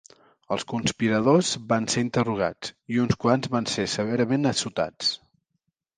Els conspiradors van ser interrogats i uns quants van ser severament assotats.